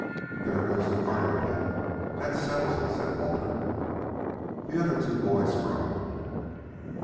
"There goes the parlor tent. That settles it," said Walter. The other two boys groaned.